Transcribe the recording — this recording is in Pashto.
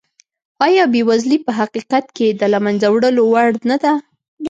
ایا بېوزلي په حقیقت کې د له منځه وړلو وړ نه ده؟